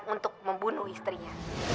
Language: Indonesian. untuk membunuh istrinya